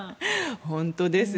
本当ですね。